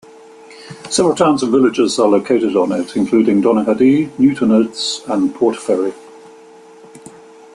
Several towns and villages are located on it, including Donaghadee, Newtownards and Portaferry.